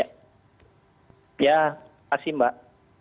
ya terima kasih mbak